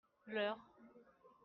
leur.